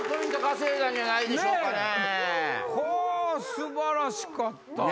素晴らしかった。